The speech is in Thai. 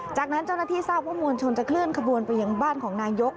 จากนั้นเจ้าหน้าที่ทราบว่ามวลชนจะเคลื่อนขบวนไปยังบ้านของนายก